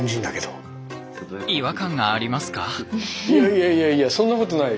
いやいやいやいやそんなことない。